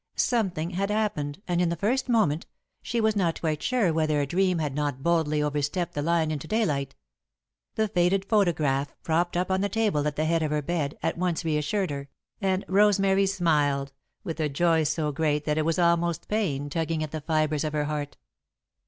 Something had happened, and, in the first moment, she was not quite sure whether a dream had not boldly overstepped the line into daylight. The faded photograph, propped up on the table at the head of her bed, at once reassured her, and Rosemary smiled, with a joy so great that it was almost pain tugging at the fibres of her heart.